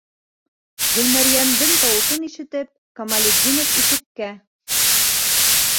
Гөлмәрйәмдең тауышын ишетеп, Камалетдинов ишеккә